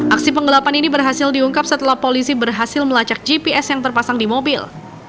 aksi penggelapan ini berhasil diungkap setelah polisi berhasil melacak gps yang terpasang di mobil